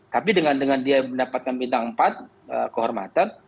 tapi dengan dia mendapatkan bintang empat kehormatan